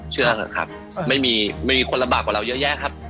เชื่อเถอะครับไม่มีมีคนลำบากกว่าเราเยอะแยะครับ